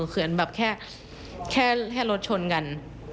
คือแบบแค่รถชนกัน